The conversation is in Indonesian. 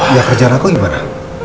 ya kerjaan aku gimana